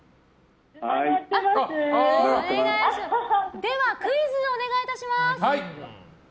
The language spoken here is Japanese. ではクイズお願いいたします。